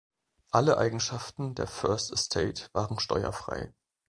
Alle Eigenschaften der First Estate waren steuerfrei.